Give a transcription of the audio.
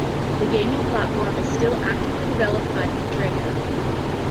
The gaming platform is still actively developed by Futrega.